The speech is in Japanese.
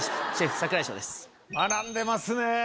学んでますね。